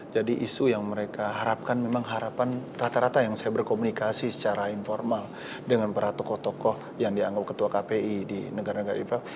jadi isu yang mereka harapkan memang harapan rata rata yang saya berkomunikasi secara informal dengan para tokoh tokoh yang dianggap ketua kpi di negara negara ibrah